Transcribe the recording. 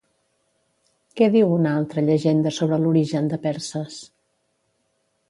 Què diu una altra llegenda sobre l'origen de Perses?